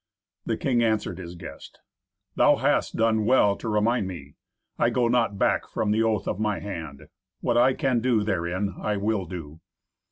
The king answered his guest, "Thou hast done well to remind me. I go not back from the oath of my hand. What I can do therein I will do."